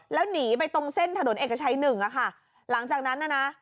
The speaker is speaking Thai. แล้วหนีไปตรงเส้นถนนเอกชัย๑ค่ะหลังจากนั้นนะ